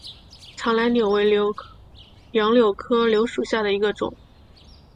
藏南柳为杨柳科柳属下的一个种。